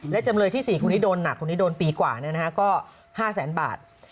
และจำเลยที่๔คนที่โดนคนที่โดนปีกว่าเนี่ยนะคะก็๕๐๐๐๐๐บาท